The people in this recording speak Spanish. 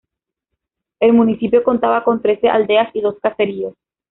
El municipio contaba con trece aldeas y dos caseríos.